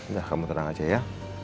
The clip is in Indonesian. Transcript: udah kamu tenang aja ya